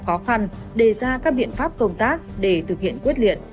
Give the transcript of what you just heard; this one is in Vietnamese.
đã tập trung khắc phục khó khăn đề ra các biện pháp công tác để thực hiện quyết liện